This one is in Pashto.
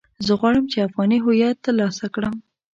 زه غواړم چې افغاني هويت ترلاسه کړم.